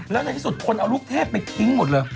แล้วในที่สุดคนเอาลูกเทพไปทิ้งหมดเลย